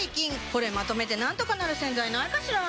これまとめてなんとかなる洗剤ないかしら？